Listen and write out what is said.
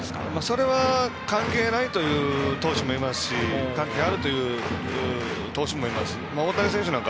それは関係ないという投手もいますし関係あるという投手もいます。